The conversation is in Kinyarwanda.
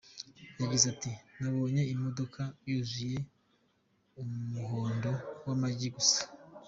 Yagize ati: “Nabonye imodoka yuzuye umuhondo w’amagi gusa.